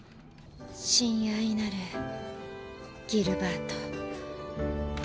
「親愛なるギルバート」。